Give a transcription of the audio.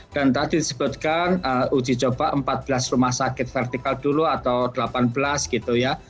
dan tadi disebutkan uji coba empat belas rumah sakit vertikal dulu atau delapan belas gitu ya